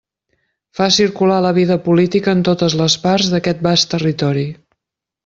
Fa circular la vida política en totes les parts d'aquest vast territori.